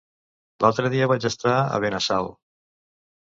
L'altre dia vaig estar a Benassal.